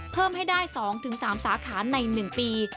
เพิ่มให้ได้๒๓สาขาใน๑ปี